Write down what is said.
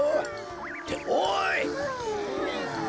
っておい！